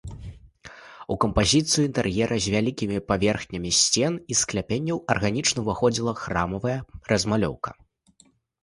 У кампазіцыю інтэр'ера з вялікімі паверхнямі сцен і скляпенняў арганічна ўваходзіла храмавая размалёўка.